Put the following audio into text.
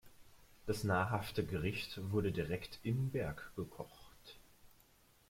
Das nahrhafte Gericht wurde direkt im Berg gekocht.